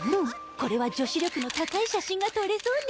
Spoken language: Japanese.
これは女子力の高い写真が撮れそうね。